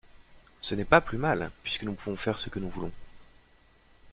Ce n'est pas plus mal, puisque nous pouvons faire ce que nous voulons.